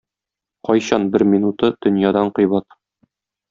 Кайчан бер минуты дөньядан кыйбат.